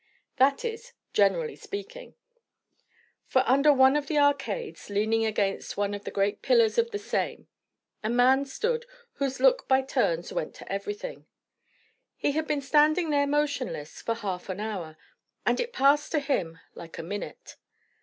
That is, speaking generally. For under one of the arcades, leaning against one of the great pillars of the same, a man stood whose look by turns went to everything. He had been standing there motionless for half an hour; and it passed to him like a minute.